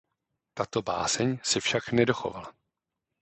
Tato báseň se však nedochovala.